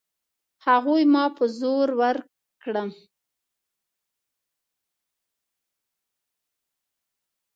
هغوی ما په زور ورکړم.